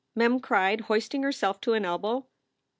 Mem cried, hoisting herself to an elbow.